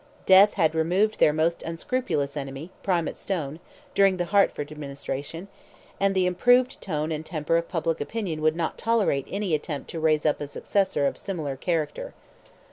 Death had removed their most unscrupulous enemy, Primate Stone, during the Hertford administration, and the improved tone and temper of public opinion would not tolerate any attempt to raise up a successor of similar character.